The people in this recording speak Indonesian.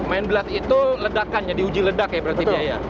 medlas itu ledakannya diuji ledak ya berarti biaya